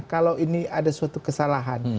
kalau ini ada suatu kesalahan